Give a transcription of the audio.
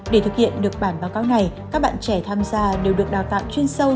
để thực hiện được bản báo cáo này các bạn trẻ tham gia đều được đào tạo chuyên sâu